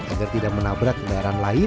agar tidak menabrak kendaraan lain